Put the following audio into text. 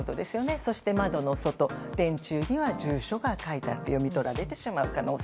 そして窓の外電柱に住所が書かれていて読み取られてしまう可能性。